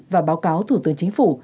và báo cáo thủ tư chính phủ